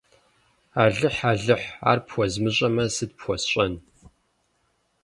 Алыхь-алыхь, ар пхуэзмыщӀэмэ, сыт пхуэсщӀэн!